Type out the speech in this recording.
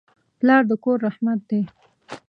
پلار د کور رحمت دی.